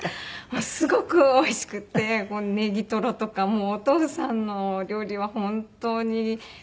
もうすごくおいしくってネギトロとかもうお父さんの料理は本当に私の元気の源でしたね。